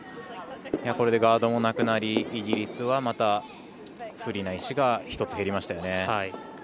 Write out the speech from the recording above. これでガードもなくなりイギリスは、また不利な石が１つ減りましたよね。